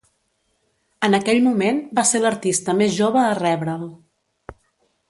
En aquell moment va ser l'artista més jove a rebre'l.